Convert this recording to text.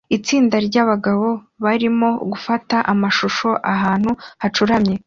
Itsinda ryabagabo barimo gufata amashusho ahantu hacuramye